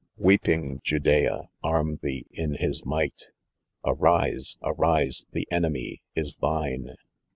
"Weeping Judex, arm U« us his might [ Arise! Arise! The enemy is thine!"